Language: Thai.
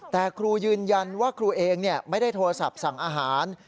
แต่ครูยืนยันว่าครูเองไม่ได้โทรศัพท์สั่งอาหาร